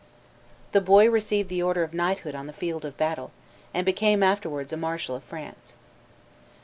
The boy received the order of knighthood on the field of battle, and became afterwards a marshal of France.